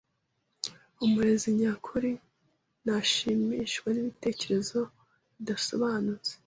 Umurezi nyakuri ntashimishwa n’ibitekerezo bidasobanutse